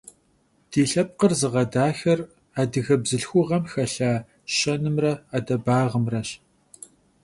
Di lhepkhır zığedexar adıge bzılhxuğexem yaxelha şenımre 'edebağımreş.